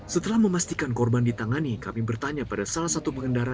setelah memastikan korban ditangani kami bertanya pada salah satu pengendara